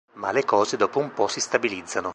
Ma le cose dopo un po' si stabilizzano.